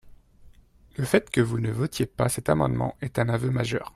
Le fait que vous ne votiez pas cet amendement est un aveu majeur